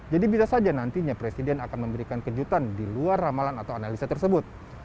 jadi bisa saja nantinya presiden akan memberikan kejutan diluar ramalan atau analisa tersebut